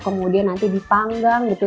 kemudian nanti dipanggang gitu